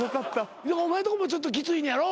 お前んとこもちょっときついねやろ？